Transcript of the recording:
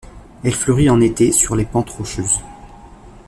Elle fleurit en été sur les pentes rocheuses.